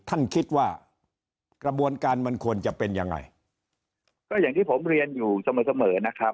ท่านคิดว่ากระบวนการมันควรจะเป็นยังไงก็อย่างที่ผมเรียนอยู่เสมอเสมอนะครับ